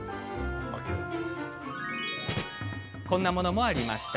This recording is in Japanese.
こんなものもありました。